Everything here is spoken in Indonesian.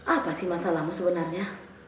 apa sih masalahmu sebenarnya